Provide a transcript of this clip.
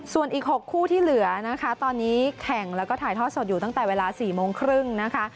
ส่วนอีก๖คู่ที่เหลือนะคะตอนนี้แข่งแล้วก็ถ่ายทอดสดอยู่ตั้งแต่เวลา๔โมงครึ่งนะคะ